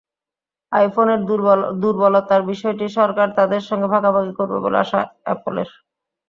আইফোনের দুর্বলতার বিষয়টি সরকার তাদের সঙ্গে ভাগাভাগি করবে বলে আশা অ্যাপলের।